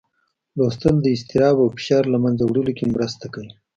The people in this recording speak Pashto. لوستل د اضطراب او فشار له منځه وړلو کې مرسته کوي